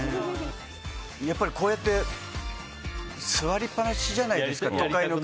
やっぱりこうやって座りっぱなしじゃないですか。